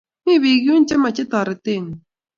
mi biik yuu chemache toretengung